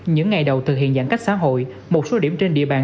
những ngày đầu thực hiện giãn cách xã hội một số điểm trên địa bàn